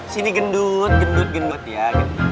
sini gendut gendut gendut ya